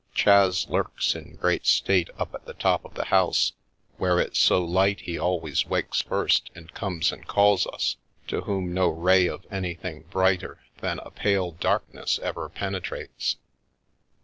Chas lurks in great state up at the top of the house, where it's so light he always wakes first and comes and calls us, to whom no ray of anything brighter than a pale darkness ever penetrates.